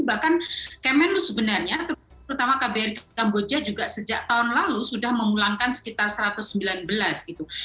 bahkan kemenu sebenarnya terutama kbr di kamboja juga sejak tahun lalu sudah mengulangkan sekitar satu ratus sembilan belas gitu